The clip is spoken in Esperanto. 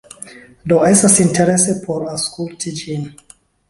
Do, estas interese por aŭskulti ĝin